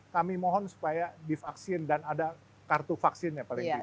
kami mohon supaya divaksin dan ada kartu vaksinnya paling tidak